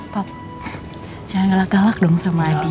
pop jangan galak galak dong sama adi